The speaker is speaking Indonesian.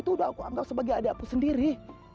kamu itu udah aku anggap sebagai adik aku sendiri